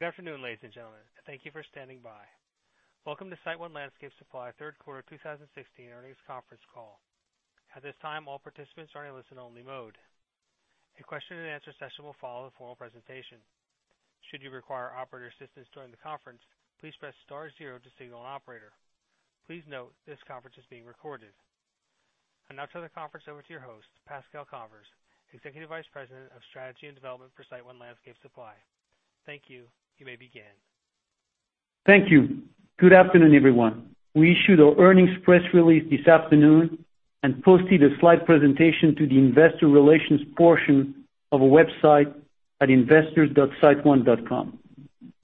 Good afternoon, ladies and gentlemen. Thank you for standing by. Welcome to SiteOne Landscape Supply third quarter 2016 earnings conference call. At this time, all participants are in listen only mode. A question and answer session will follow the formal presentation. Should you require operator assistance during the conference, please press star zero to signal an operator. Please note this conference is being recorded. I'll now turn the conference over to your host, Pascal Convers, Executive Vice President of Strategy and Development for SiteOne Landscape Supply. Thank you. You may begin. Thank you. Good afternoon, everyone. We issued our earnings press release this afternoon and posted a slide presentation to the investor relations portion of our website at investors.siteone.com.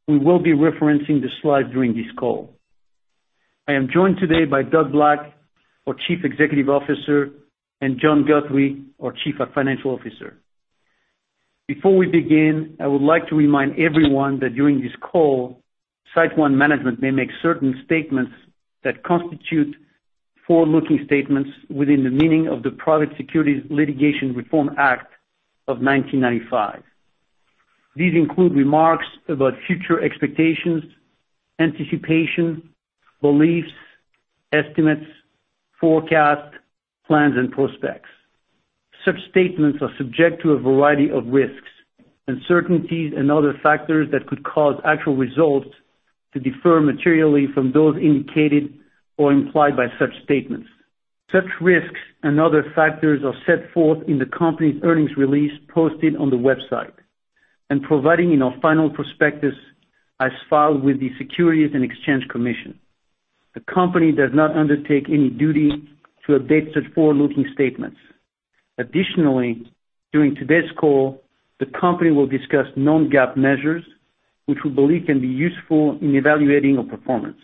We will be referencing the slides during this call. I am joined today by Doug Black, our Chief Executive Officer, and John Guthrie, our Chief Financial Officer. Before we begin, I would like to remind everyone that during this call, SiteOne management may make certain statements that constitute forward-looking statements within the meaning of the Private Securities Litigation Reform Act of 1995. These include remarks about future expectations, anticipation, beliefs, estimates, forecasts, plans, and prospects. Such statements are subject to a variety of risks, uncertainties, and other factors that could cause actual results to differ materially from those indicated or implied by such statements. Such risks and other factors are set forth in the company's earnings release posted on the website and provided in our final prospectus as filed with the Securities and Exchange Commission. The company does not undertake any duty to update such forward-looking statements. Additionally, during today's call, the company will discuss non-GAAP measures which we believe can be useful in evaluating our performance.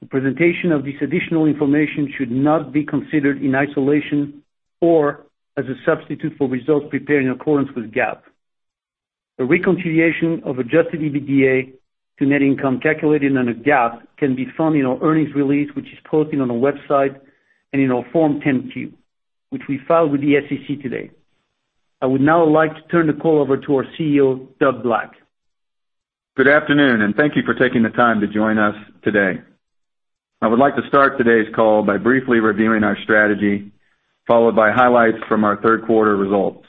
The presentation of this additional information should not be considered in isolation or as a substitute for results prepared in accordance with GAAP. A reconciliation of adjusted EBITDA to net income calculated under GAAP can be found in our earnings release, which is posted on our website and in our Form 10-Q, which we filed with the SEC today. I would now like to turn the call over to our CEO, Doug Black. Good afternoon, and thank you for taking the time to join us today. I would like to start today's call by briefly reviewing our strategy, followed by highlights from our third quarter results.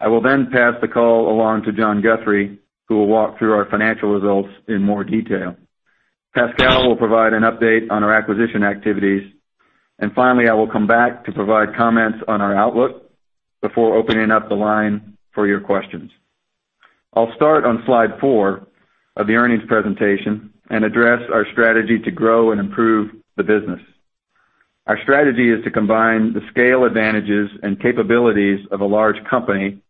I will then pass the call along to John Guthrie, who will walk through our financial results in more detail. Pascal will provide an update on our acquisition activities. Finally, I will come back to provide comments on our outlook before opening up the line for your questions. I'll start on slide four of the earnings presentation and address our strategy to grow and improve the business. Our strategy is to combine the scale advantages and capabilities of a large company,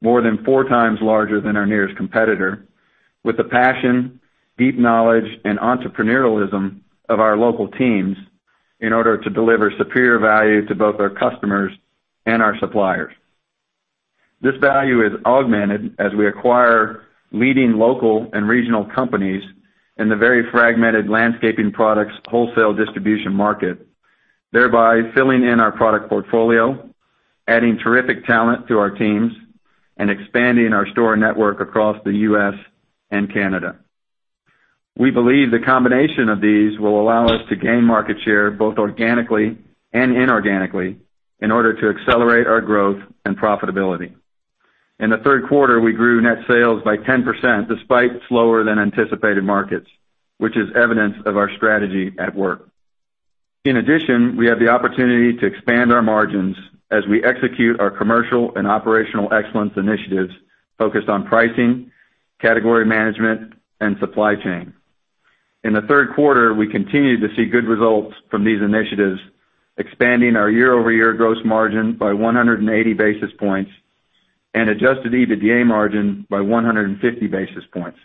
more than four times larger than our nearest competitor, with the passion, deep knowledge, and entrepreneurialism of our local teams in order to deliver superior value to both our customers and our suppliers. This value is augmented as we acquire leading local and regional companies in the very fragmented landscaping products wholesale distribution market, thereby filling in our product portfolio, adding terrific talent to our teams, and expanding our store network across the U.S. and Canada. We believe the combination of these will allow us to gain market share, both organically and inorganically, in order to accelerate our growth and profitability. In the third quarter, we grew net sales by 10% despite slower than anticipated markets, which is evidence of our strategy at work. In addition, we have the opportunity to expand our margins as we execute our commercial and operational excellence initiatives focused on pricing, category management, and supply chain. In the third quarter, we continued to see good results from these initiatives, expanding our year-over-year gross margin by 180 basis points and adjusted EBITDA margin by 150 basis points.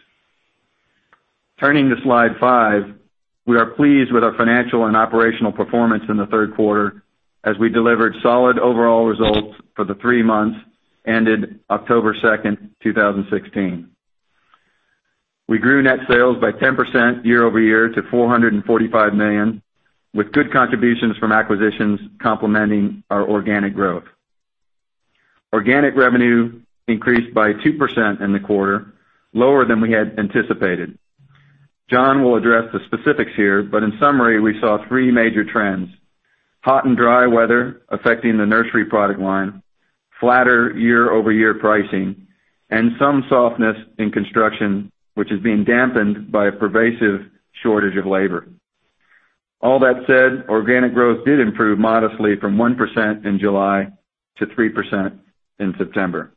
Turning to slide five, we are pleased with our financial and operational performance in the third quarter as we delivered solid overall results for the three months ended October 2, 2016. We grew net sales by 10% year-over-year to $445 million, with good contributions from acquisitions complementing our organic growth. Organic revenue increased by 2% in the quarter, lower than we had anticipated. John will address the specifics here, but in summary, we saw three major trends. Hot and dry weather affecting the nursery product line, flatter year-over-year pricing, and some softness in construction, which is being dampened by a pervasive shortage of labor. All that said, organic growth did improve modestly from 1% in July to 3% in September.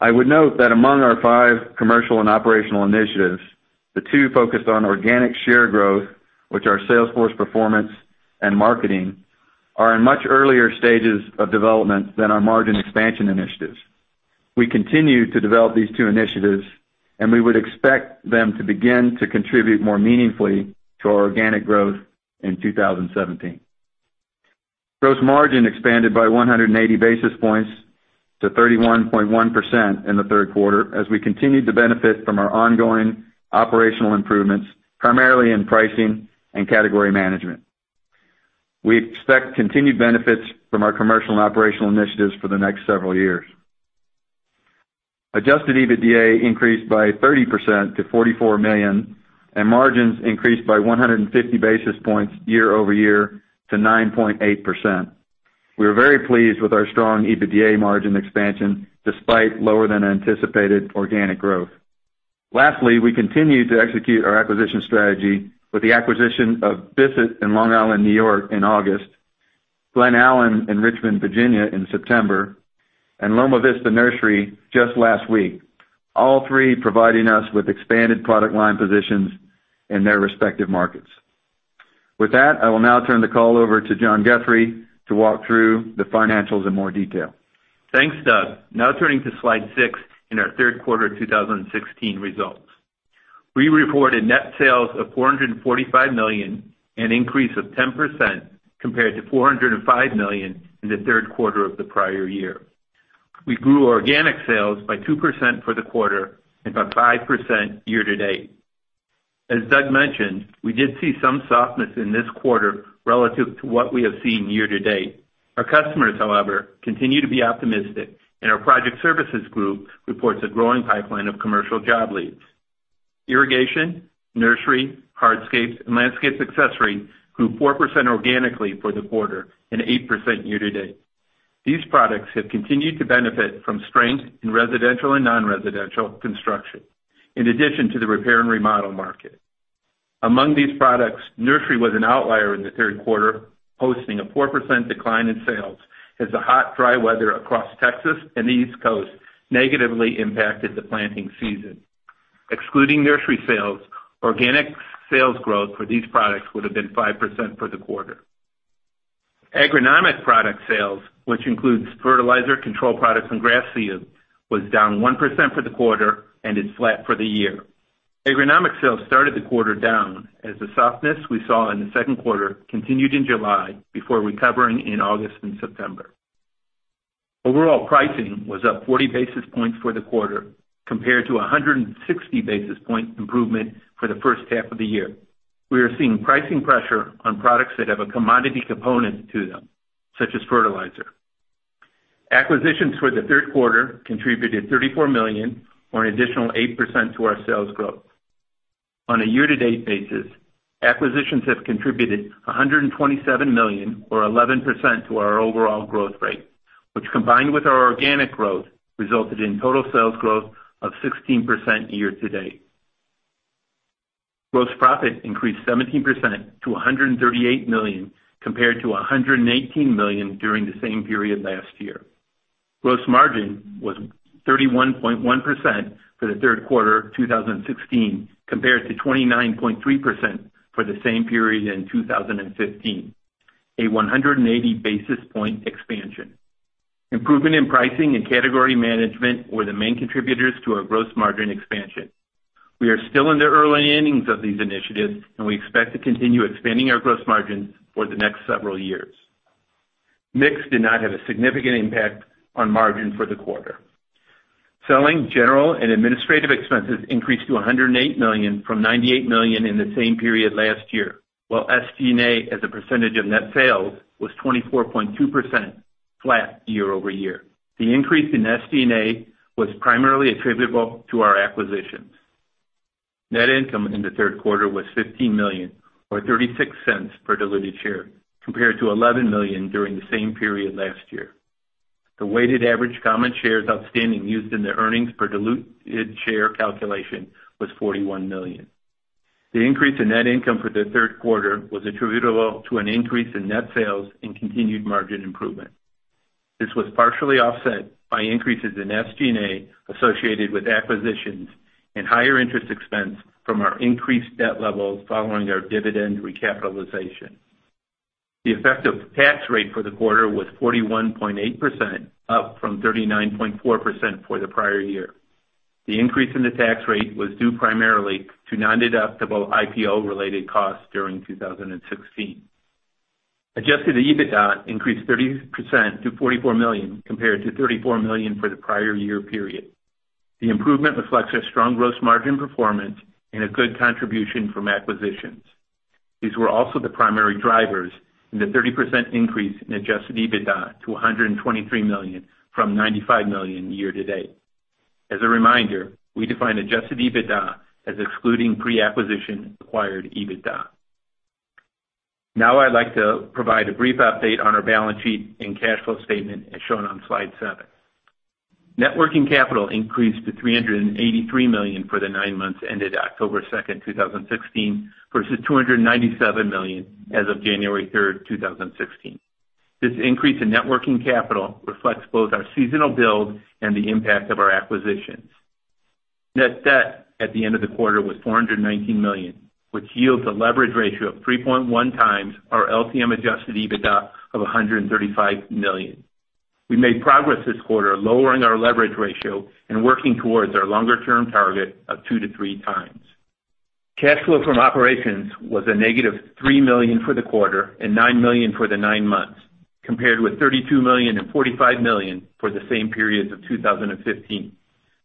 I would note that among our five commercial and operational initiatives, the two focused on organic share growth, which are sales force performance and marketing, are in much earlier stages of development than our margin expansion initiatives. We continue to develop these two initiatives, and we would expect them to begin to contribute more meaningfully to our organic growth in 2017. Gross margin expanded by 180 basis points to 31.1% in the third quarter as we continued to benefit from our ongoing operational improvements, primarily in pricing and category management. We expect continued benefits from our commercial and operational initiatives for the next several years. Adjusted EBITDA increased by 30% to $44 million, and margins increased by 150 basis points year-over-year to 9.8%. We are very pleased with our strong EBITDA margin expansion, despite lower than anticipated organic growth. Lastly, we continue to execute our acquisition strategy with the acquisition of Bissett in Long Island, N.Y. in August, Glen Allen in Richmond, Virginia in September, and Loma Vista Nursery just last week, all three providing us with expanded product line positions in their respective markets. With that, I will now turn the call over to John Guthrie to walk through the financials in more detail. Thanks, Doug. Now turning to slide six in our third quarter 2016 results. We reported net sales of $445 million, an increase of 10% compared to $405 million in the third quarter of the prior year. We grew organic sales by 2% for the quarter and by 5% year to date. As Doug mentioned, we did see some softness in this quarter relative to what we have seen year to date. Our customers, however, continue to be optimistic, and our project services group reports a growing pipeline of commercial job leads. Irrigation, nursery, hardscape, and landscape accessories grew 4% organically for the quarter and 8% year to date. These products have continued to benefit from strength in residential and non-residential construction, in addition to the repair and remodel market. Among these products, nursery was an outlier in the third quarter, posting a 4% decline in sales as the hot, dry weather across Texas and the East Coast negatively impacted the planting season. Excluding nursery sales, organic sales growth for these products would have been 5% for the quarter. Agronomic product sales, which includes fertilizer, control products, and grass seeds, was down 1% for the quarter and is flat for the year. Agronomic sales started the quarter down as the softness we saw in the second quarter continued in July before recovering in August and September. Overall pricing was up 40 basis points for the quarter compared to 160 basis point improvement for the first half of the year. We are seeing pricing pressure on products that have a commodity component to them, such as fertilizer. Acquisitions for the third quarter contributed $34 million, or an additional 8% to our sales growth. On a year to date basis, acquisitions have contributed $127 million, or 11%, to our overall growth rate, which combined with our organic growth, resulted in total sales growth of 16% year to date. Gross profit increased 17% to $138 million, compared to $118 million during the same period last year. Gross margin was 31.1% for the third quarter of 2016, compared to 29.3% for the same period in 2015, a 180 basis point expansion. Improvement in pricing and category management were the main contributors to our gross margin expansion. We are still in the early innings of these initiatives, and we expect to continue expanding our gross margins for the next several years. Mix did not have a significant impact on margin for the quarter. Selling, general and administrative expenses increased to $108 million from $98 million in the same period last year, while SG&A as a percentage of net sales was 24.2%, flat year-over-year. The increase in SG&A was primarily attributable to our acquisitions. Net income in the third quarter was $15 million, or $0.36 per diluted share, compared to $11 million during the same period last year. The weighted average common shares outstanding used in the earnings per diluted share calculation was 41 million. The increase in net income for the third quarter was attributable to an increase in net sales and continued margin improvement. This was partially offset by increases in SG&A associated with acquisitions and higher interest expense from our increased debt levels following our dividend recapitalization. The effective tax rate for the quarter was 41.8%, up from 39.4% for the prior year. The increase in the tax rate was due primarily to non-deductible IPO related costs during 2016. Adjusted EBITDA increased 30% to $44 million, compared to $34 million for the prior year period. The improvement reflects a strong gross margin performance and a good contribution from acquisitions. These were also the primary drivers in the 30% increase in adjusted EBITDA to $123 million from $95 million year to date. As a reminder, we define adjusted EBITDA as excluding pre-acquisition acquired EBITDA. I'd like to provide a brief update on our balance sheet and cash flow statement, as shown on slide seven. Net working capital increased to $383 million for the nine months ended October 2nd, 2016, versus $297 million as of January 3rd, 2016. This increase in net working capital reflects both our seasonal build and the impact of our acquisitions. Net debt at the end of the quarter was $419 million, which yields a leverage ratio of 3.1 times our LTM adjusted EBITDA of $135 million. We made progress this quarter lowering our leverage ratio and working towards our longer-term target of two to three times. Cash flow from operations was a negative $3 million for the quarter and $9 million for the nine months Compared with $32 million and $45 million for the same periods of 2015.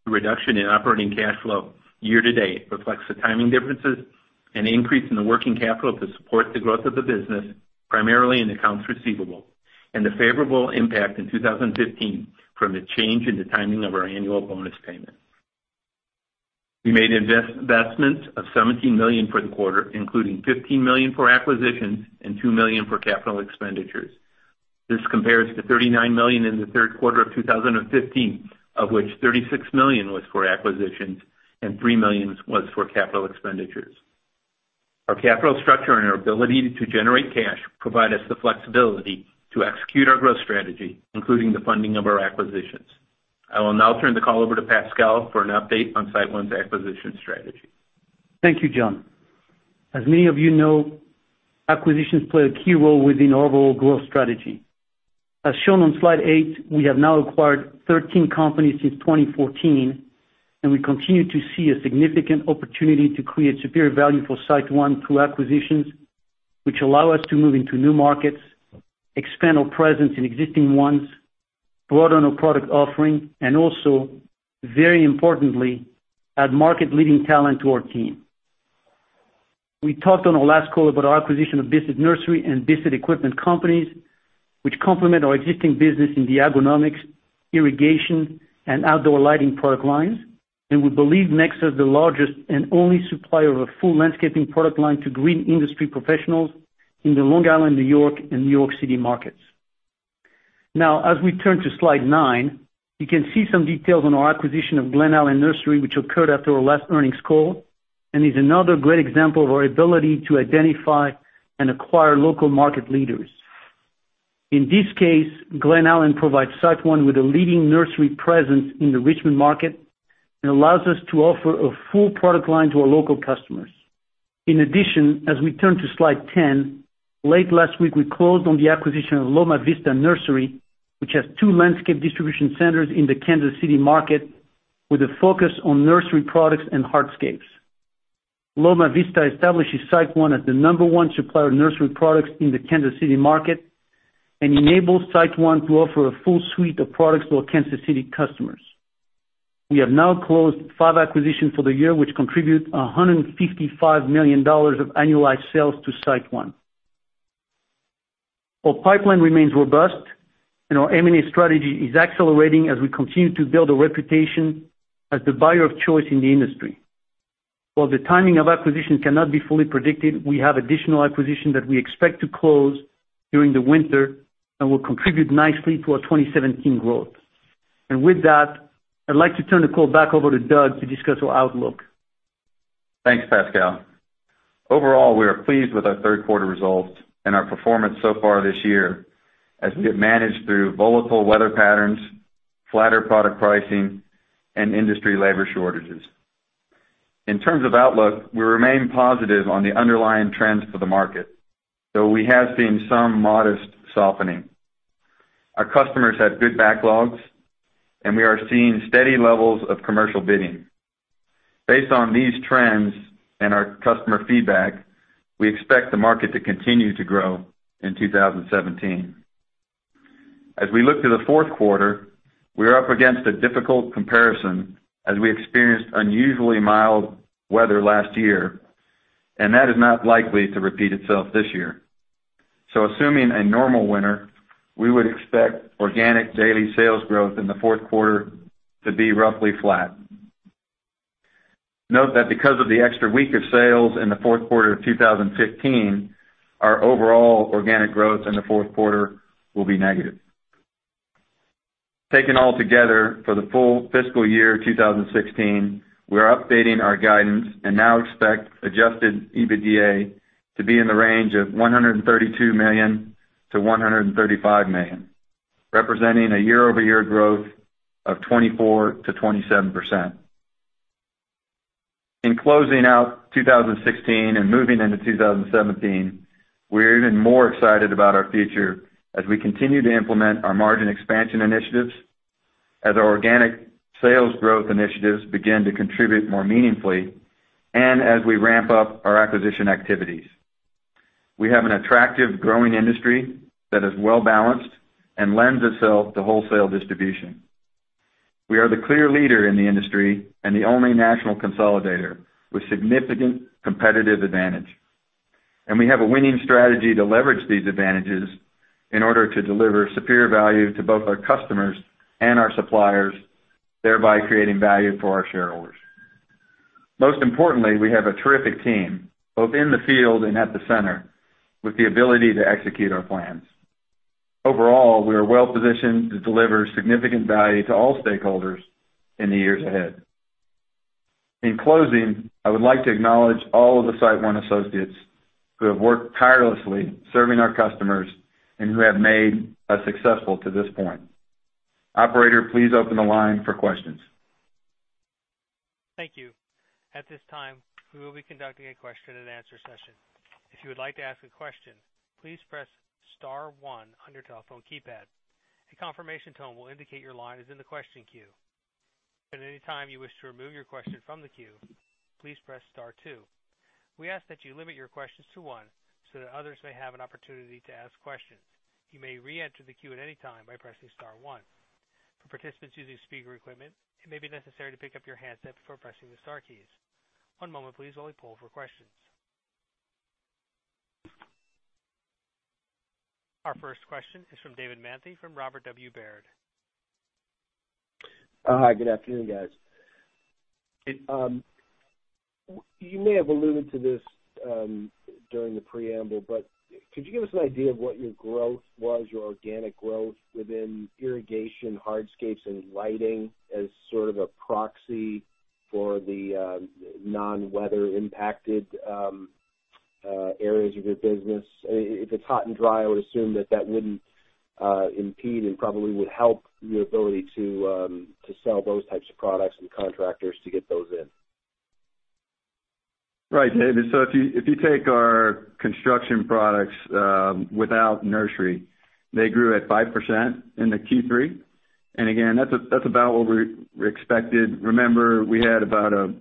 The reduction in operating cash flow year to date reflects the timing differences, an increase in the working capital to support the growth of the business, primarily in accounts receivable, and the favorable impact in 2015 from the change in the timing of our annual bonus payment. We made investments of $17 million for the quarter, including $15 million for acquisitions and $2 million for capital expenditures. This compares to $39 million in the third quarter of 2015, of which $36 million was for acquisitions and $3 million was for capital expenditures. Our capital structure and our ability to generate cash provide us the flexibility to execute our growth strategy, including the funding of our acquisitions. I will now turn the call over to Pascal for an update on SiteOne's acquisition strategy. Thank you, John. As many of you know, acquisitions play a key role within our overall growth strategy. As shown on slide eight, we have now acquired 13 companies since 2014, and we continue to see a significant opportunity to create superior value for SiteOne through acquisitions, which allow us to move into new markets, expand our presence in existing ones, broaden our product offering, and also, very importantly, add market-leading talent to our team. We talked on our last call about our acquisition of Bissett Nursery and Bissett Equipment companies, which complement our existing business in the agronomics, irrigation, and outdoor lighting product lines. We believe makes us the largest and only supplier of a full landscaping product line to green industry professionals in the Long Island, New York, and New York City markets. Now, as we turn to slide nine, you can see some details on our acquisition of Glen Allen Nursery, which occurred after our last earnings call and is another great example of our ability to identify and acquire local market leaders. In this case, Glen Allen provides SiteOne with a leading nursery presence in the Richmond market and allows us to offer a full product line to our local customers. In addition, as we turn to slide 10, late last week, we closed on the acquisition of Loma Vista Nursery, which has two landscape distribution centers in the Kansas City market with a focus on nursery products and hardscapes. Loma Vista establishes SiteOne as the number one supplier of nursery products in the Kansas City market and enables SiteOne to offer a full suite of products to our Kansas City customers. We have now closed five acquisitions for the year, which contribute $155 million of annualized sales to SiteOne. Our pipeline remains robust, and our M&A strategy is accelerating as we continue to build a reputation as the buyer of choice in the industry. While the timing of acquisitions cannot be fully predicted, we have additional acquisitions that we expect to close during the winter and will contribute nicely to our 2017 growth. With that, I'd like to turn the call back over to Doug to discuss our outlook. Thanks, Pascal. Overall, we are pleased with our third quarter results and our performance so far this year as we have managed through volatile weather patterns, flatter product pricing, and industry labor shortages. In terms of outlook, we remain positive on the underlying trends for the market, though we have seen some modest softening. Our customers have good backlogs, and we are seeing steady levels of commercial bidding. Based on these trends and our customer feedback, we expect the market to continue to grow in 2017. As we look to the fourth quarter, we are up against a difficult comparison as we experienced unusually mild weather last year, and that is not likely to repeat itself this year. Assuming a normal winter, we would expect organic daily sales growth in the fourth quarter to be roughly flat. Note that because of the extra week of sales in the fourth quarter of 2015, our overall organic growth in the fourth quarter will be negative. Taken all together, for the full fiscal year 2016, we are updating our guidance and now expect adjusted EBITDA to be in the range of $132 million-$135 million, representing a year-over-year growth of 24%-27%. In closing out 2016 and moving into 2017, we are even more excited about our future as we continue to implement our margin expansion initiatives, as our organic sales growth initiatives begin to contribute more meaningfully, and as we ramp up our acquisition activities. We have an attractive growing industry that is well-balanced and lends itself to wholesale distribution. We are the clear leader in the industry and the only national consolidator with significant competitive advantage. We have a winning strategy to leverage these advantages in order to deliver superior value to both our customers and our suppliers, thereby creating value for our shareholders. Most importantly, we have a terrific team, both in the field and at the center, with the ability to execute our plans. Overall, we are well positioned to deliver significant value to all stakeholders in the years ahead. In closing, I would like to acknowledge all of the SiteOne associates who have worked tirelessly serving our customers and who have made us successful to this point. Operator, please open the line for questions. Thank you. At this time, we will be conducting a question and answer session. If you would like to ask a question, please press star one on your telephone keypad. A confirmation tone will indicate your line is in the question queue. At any time you wish to remove your question from the queue, please press star two. We ask that you limit your questions to one so that others may have an opportunity to ask questions. You may reenter the queue at any time by pressing star one. For participants using speaker equipment, it may be necessary to pick up your handset before pressing the star keys. One moment please while we poll for questions. Our first question is from David Manthey from Robert W. Baird. Hi, good afternoon, guys. You may have alluded to this during the preamble, but could you give us an idea of what your growth was, your organic growth within irrigation, hardscapes, and lighting as sort of a proxy for the non-weather impacted areas of your business? If it's hot and dry, I would assume that that wouldn't impede and probably would help your ability to sell those types of products and contractors to get those in. Right, David. If you take our construction products without nursery, they grew at 5% in the Q3. Again, that's about what we expected. Remember, we had about a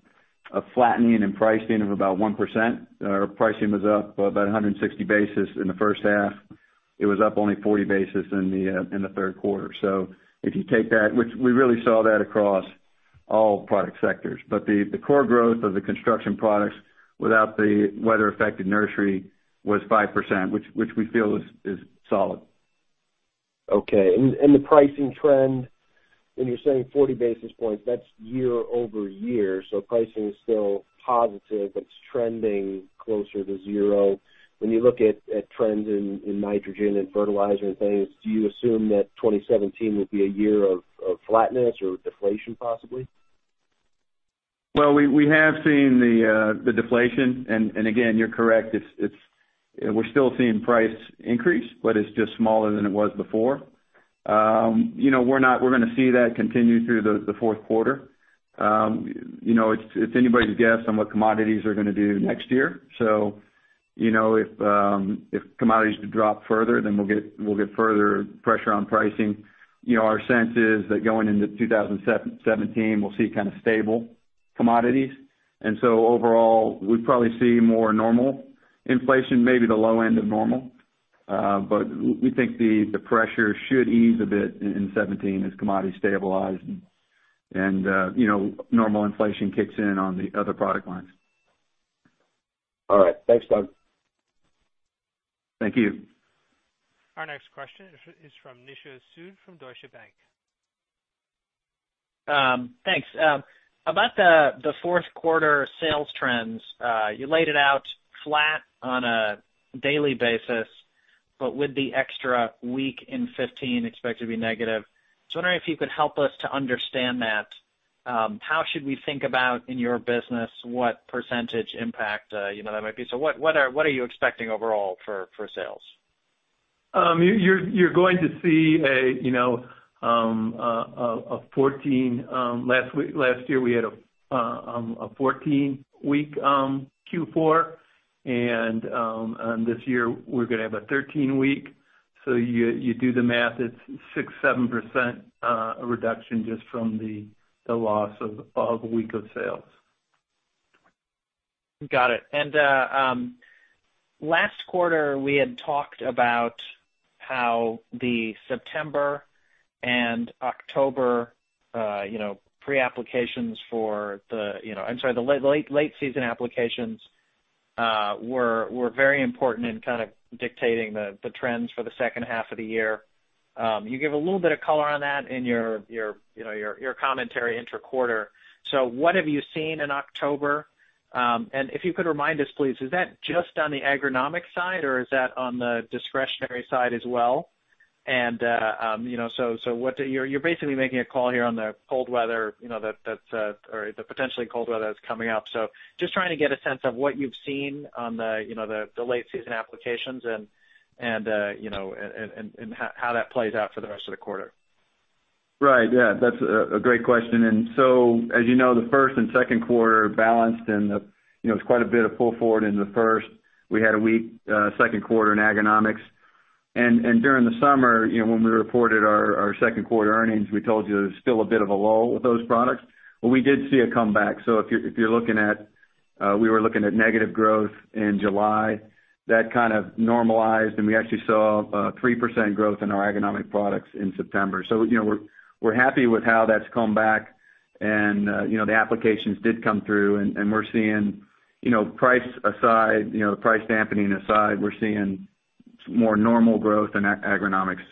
flattening in pricing of about 1%. Our pricing was up about 160 basis in the first half. It was up only 40 basis in the third quarter. If you take that, which we really saw that across all product sectors, but the core growth of the construction products without the weather-affected nursery was 5%, which we feel is solid. The pricing trend, when you're saying 40 basis points, that's year-over-year, so pricing is still positive, but it's trending closer to zero. When you look at trends in nitrogen and fertilizer and things, do you assume that 2017 will be a year of flatness or deflation possibly? Well, we have seen the deflation, and again, you're correct. We're still seeing price increase, but it's just smaller than it was before. We're gonna see that continue through the fourth quarter. It's anybody's guess on what commodities are gonna do next year. If commodities drop further, we'll get further pressure on pricing. Our sense is that going into 2017, we'll see kind of stable commodities. Overall, we probably see more normal inflation, maybe the low end of normal. We think the pressure should ease a bit in 2017 as commodities stabilize and normal inflation kicks in on the other product lines. All right. Thanks, Doug. Thank you. Our next question is from Nishu Sood from Deutsche Bank. Thanks. About the fourth quarter sales trends, you laid it out flat on a daily basis, but with the extra week in 2015 expected to be negative. Just wondering if you could help us to understand that. How should we think about, in your business, what % impact that might be? What are you expecting overall for sales? You're going to see last year we had a 14-week Q4, and this year we're going to have a 13-week. You do the math, it's 6%, 7% reduction just from the loss of a week of sales. Got it. Last quarter, we had talked about how the September and October pre-applications for the, I'm sorry, the late season applications were very important in kind of dictating the trends for the second half of the year. You gave a little bit of color on that in your commentary inter-quarter. What have you seen in October? If you could remind us, please, is that just on the agronomic side or is that on the discretionary side as well? You're basically making a call here on the cold weather, or the potentially cold weather that's coming up. Just trying to get a sense of what you've seen on the late season applications and how that plays out for the rest of the quarter. Right. Yeah, that's a great question. As you know, the first and second quarter balanced and there's quite a bit of pull forward in the first. We had a weak second quarter in agronomics. During the summer, when we reported our second quarter earnings, we told you there's still a bit of a lull with those products. We did see a comeback. If you're looking at, we were looking at negative growth in July. That kind of normalized, and we actually saw a 3% growth in our agronomic products in September. We're happy with how that's come back, and the applications did come through, and we're seeing price aside, price dampening aside, we're seeing more normal growth in agronomics,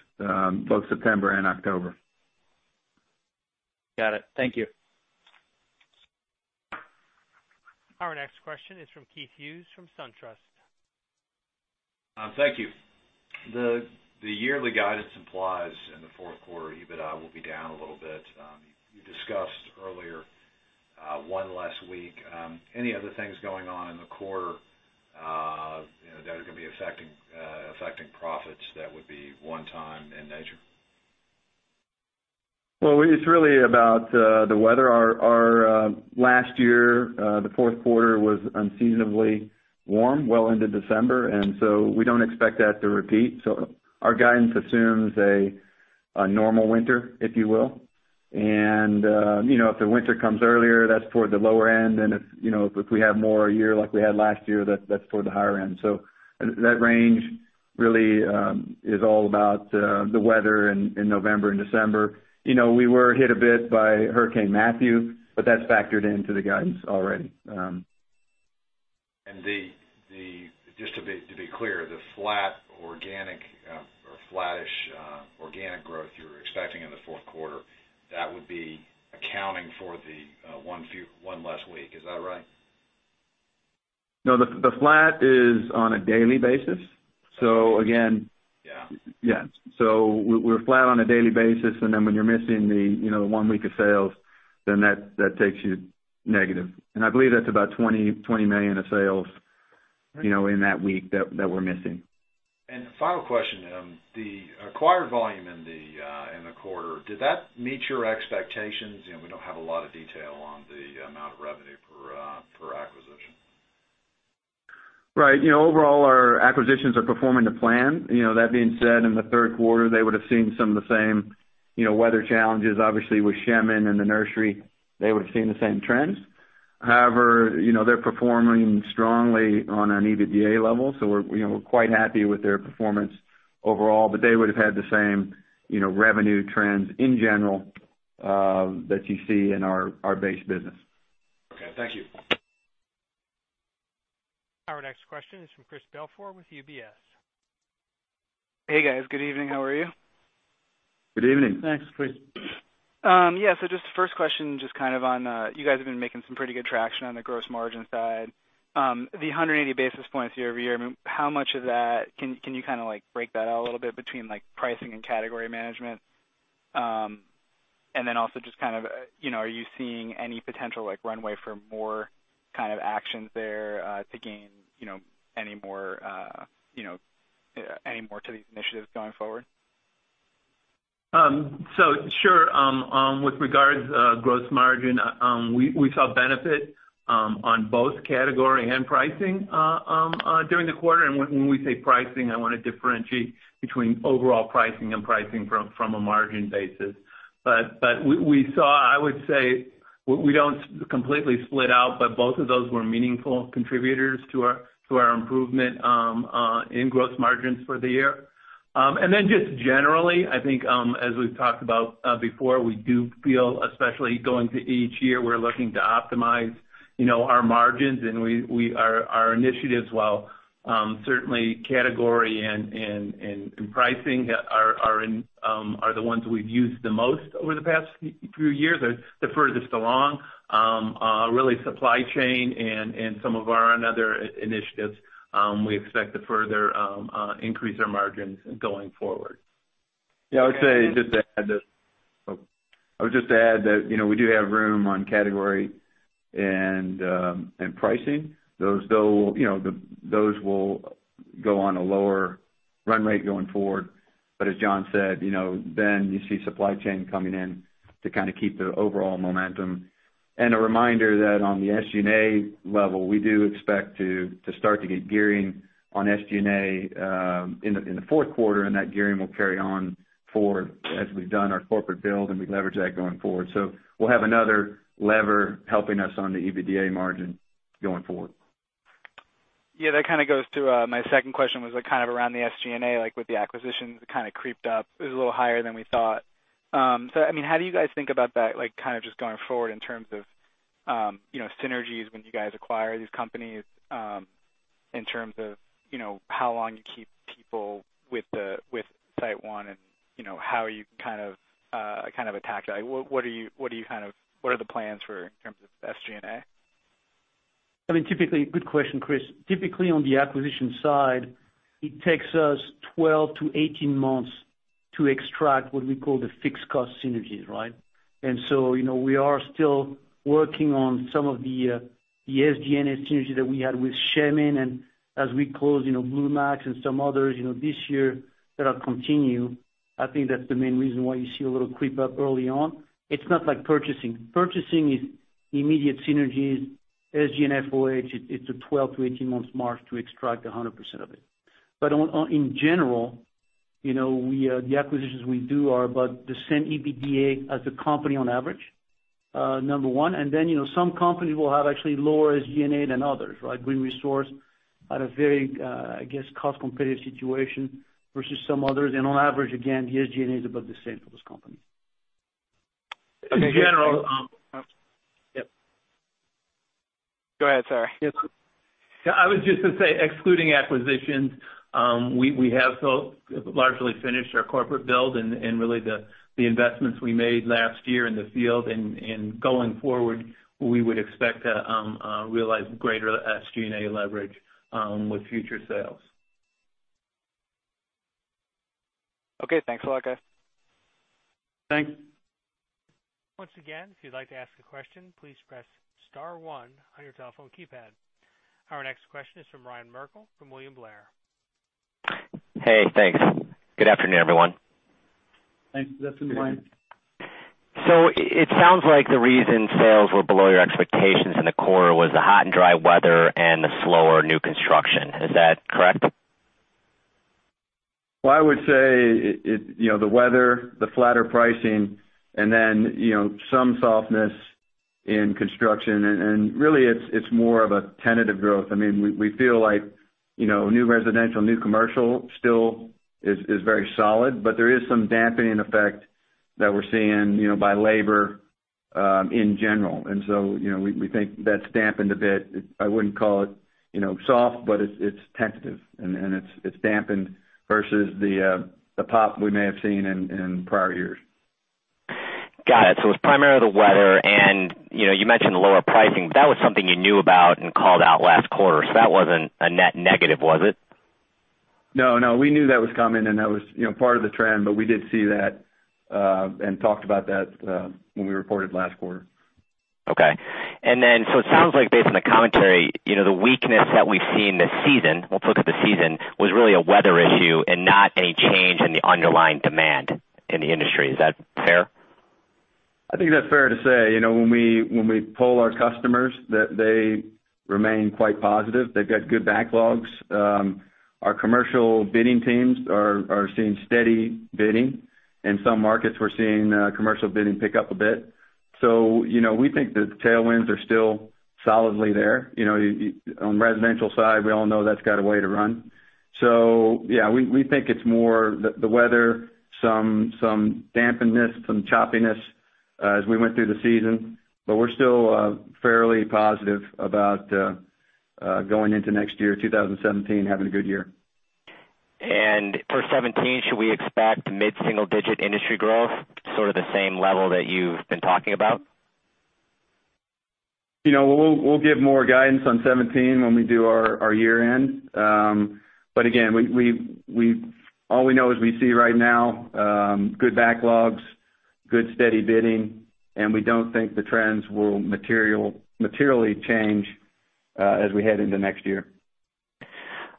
both September and October. Got it. Thank you. Our next question is from Keith Hughes from SunTrust. Thank you. The yearly guidance implies in the fourth quarter, EBITDA will be down a little bit. You discussed earlier one less week. Any other things going on in the quarter that are gonna be affecting profits that would be one time in nature? Well, it's really about the weather. Our last year, the fourth quarter was unseasonably warm well into December, and so we don't expect that to repeat. Our guidance assumes a normal winter, if you will. If the winter comes earlier, that's toward the lower end, and if we have more a year like we had last year, that's toward the higher end. That range really is all about the weather in November and December. We were hit a bit by Hurricane Matthew, but that's factored into the guidance already. Just to be clear, the flat organic or flattish organic growth you're expecting in the fourth quarter, that would be accounting for the one less week. Is that right? No, the flat is on a daily basis. Yeah. Yeah. We're flat on a daily basis, and then when you're missing the one week of sales, then that takes you negative. I believe that's about $20 million of sales. Right in that week that we're missing. Final question. The acquired volume in the quarter, did that meet your expectations? We don't have a lot of detail on the amount of revenue per acquisition. Right. Overall, our acquisitions are performing to plan. That being said, in the third quarter, they would've seen some of the same weather challenges. Obviously, with Shemin and the nursery, they would've seen the same trends. However, they're performing strongly on an EBITDA level, so we're quite happy with their performance overall. They would've had the same revenue trends in general that you see in our base business. Okay. Thank you. Our next question is from Chris Belfiore with UBS. Hey, guys. Good evening. How are you? Good evening. Thanks, Chris. First question, you guys have been making some pretty good traction on the gross margin side. The 180 basis points year-over-year, how much of that, can you break that out a little bit between pricing and category management? Are you seeing any potential runway for more kind of actions there to gain any more to these initiatives going forward? Sure. With regards to gross margin, we saw benefit on both category and pricing during the quarter. When we say pricing, I want to differentiate between overall pricing and pricing from a margin basis. We saw, I would say, we don't completely split out, but both of those were meaningful contributors to our improvement in gross margins for the year. Generally, I think as we've talked about before, we do feel, especially going to each year, we're looking to optimize our margins and our initiatives while certainly category and pricing are the ones we've used the most over the past few years, they're furthest along. Really supply chain and some of our other initiatives, we expect to further increase our margins going forward. I would say, just to add that we do have room on category and pricing. Those will go on a lower run rate going forward. As John said, you see supply chain coming in to kind of keep the overall momentum. A reminder that on the SG&A level, we do expect to start to get gearing on SG&A in the fourth quarter, and that gearing will carry on forward as we've done our corporate build, and we leverage that going forward. We'll have another lever helping us on the EBITDA margin going forward. That kind of goes to my second question, was around the SG&A, with the acquisitions, it kind of creeped up. It was a little higher than we thought. How do you guys think about that, just going forward in terms of synergies when you guys acquire these companies, in terms of how long you keep people with SiteOne and how you kind of attack that? What are the plans for in terms of SG&A? Good question, Chris. Typically, on the acquisition side, it takes us 12 to 18 months to extract what we call the fixed cost synergies, right? We are still working on some of the SG&A synergy that we had with Shemin and as we close Blue Max and some others this year, that'll continue. I think that's the main reason why you see a little creep up early on. It's not like purchasing. Purchasing is immediate synergies. SG&A and FOH, it's a 12 to 18 months march to extract 100% of it. In general, the acquisitions we do are about the same EBITDA as the company on average, number one. Some companies will have actually lower SG&A than others, right? Green Resource had a very, I guess, cost-competitive situation versus some others. On average, again, the SG&A is about the same for this company. Thank you. In general Yep. Go ahead, sorry. Yes. I was just going to say, excluding acquisitions, we have largely finished our corporate build and really the investments we made last year in the field and going forward, we would expect to realize greater SG&A leverage with future sales. Okay. Thanks a lot, guys. Thanks. Once again, if you'd like to ask a question, please press *1 on your telephone keypad. Our next question is from Ryan Merkel from William Blair. Hey, thanks. Good afternoon, everyone. Thanks. Good afternoon, Ryan. Good afternoon. It sounds like the reason sales were below your expectations in the quarter was the hot and dry weather and the slower new construction. Is that correct? Well, I would say, the weather, the flatter pricing, and then some softness in construction, and really it's more of a tentative growth. We feel like new residential, new commercial still is very solid, but there is some dampening effect that we're seeing by labor in general. We think that's dampened a bit. I wouldn't call it soft, but it's tentative, and it's dampened versus the pop we may have seen in prior years. Got it. It's primarily the weather, and you mentioned lower pricing. That was something you knew about and called out last quarter. That wasn't a net negative, was it? No. We knew that was coming, and that was part of the trend. We did see that, and talked about that when we reported last quarter. Okay. It sounds like based on the commentary, the weakness that we've seen this season, we'll focus the season, was really a weather issue and not any change in the underlying demand in the industry. Is that fair? I think that's fair to say. When we poll our customers, they remain quite positive. They've got good backlogs. Our commercial bidding teams are seeing steady bidding. In some markets, we're seeing commercial bidding pick up a bit. We think the tailwinds are still solidly there. On residential side, we all know that's got a way to run. We think it's more the weather, some dampened-ness, some choppiness as we went through the season. We're still fairly positive about going into next year, 2017, having a good year. For 2017, should we expect mid-single-digit industry growth, sort of the same level that you've been talking about? We'll give more guidance on 2017 when we do our year-end. Again, all we know is we see right now, good backlogs, good steady bidding, and we don't think the trends will materially change as we head into next year.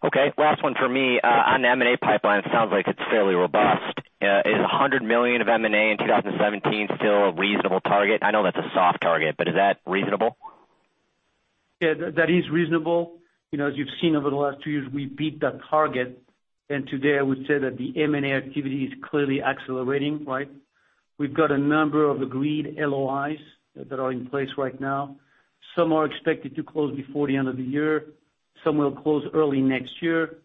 Okay. Last one for me. On the M&A pipeline, it sounds like it's fairly robust. Is $100 million of M&A in 2017 still a reasonable target? I know that's a soft target, is that reasonable? Yeah, that is reasonable. As you've seen over the last two years, we beat that target. Today, I would say that the M&A activity is clearly accelerating, right? We've got a number of agreed LOIs that are in place right now. Some are expected to close before the end of the year. Some will close early next year.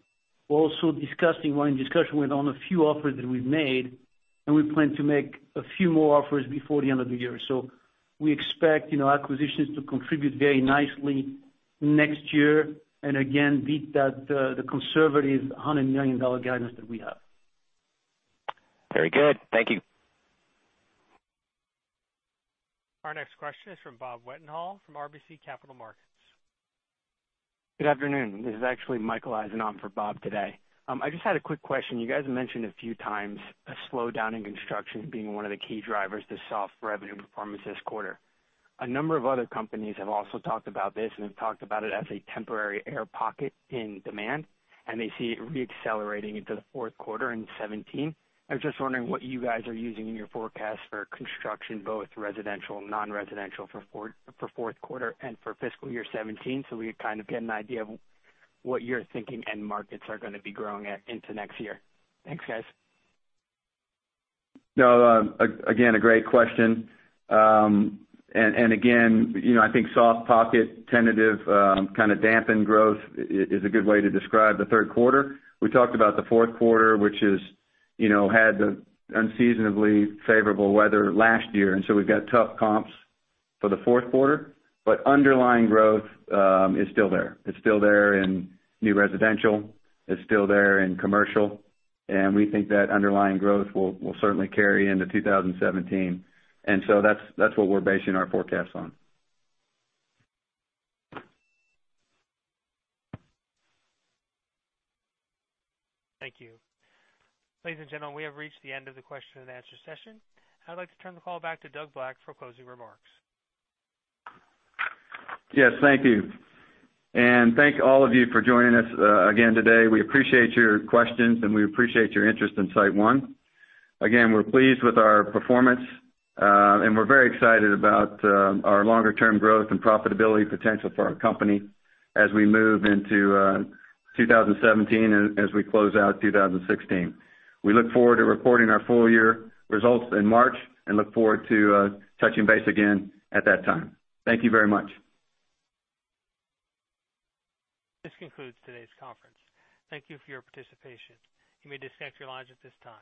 We're also in discussion with on a few offers that we've made, and we plan to make a few more offers before the end of the year. We expect acquisitions to contribute very nicely next year, and again, beat the conservative $100 million guidance that we have. Very good. Thank you. Our next question is from Bob Wetenhall from RBC Capital Markets. Good afternoon. This is actually Michael Eisen on for Bob today. I just had a quick question. You guys mentioned a few times a slowdown in construction being one of the key drivers to soft revenue performance this quarter. A number of other companies have also talked about this and have talked about it as a temporary air pocket in demand, and they see it re-accelerating into the fourth quarter in 2017. I was just wondering what you guys are using in your forecast for construction, both residential, non-residential for fourth quarter and for fiscal year 2017. We kind of get an idea of what you're thinking and markets are gonna be growing at into next year. Thanks, guys. Again, a great question. Again, I think soft pocket, tentative, kind of dampened growth is a good way to describe the third quarter. We talked about the fourth quarter, which had the unseasonably favorable weather last year. We've got tough comps for the fourth quarter. Underlying growth is still there. It's still there in new residential. It's still there in commercial. We think that underlying growth will certainly carry into 2017. That's what we're basing our forecast on. Thank you. Ladies and gentlemen, we have reached the end of the question and answer session. I'd like to turn the call back to Doug Black for closing remarks. Yes, thank you. Thank all of you for joining us again today. We appreciate your questions, and we appreciate your interest in SiteOne. Again, we're pleased with our performance. We're very excited about our longer-term growth and profitability potential for our company as we move into 2017 and as we close out 2016. We look forward to reporting our full-year results in March and look forward to touching base again at that time. Thank you very much. This concludes today's conference. Thank you for your participation. You may disconnect your lines at this time.